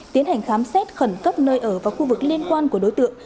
tiến hành khám xét khẩn cấp nơi ở và khu vực liên quan của đối tượng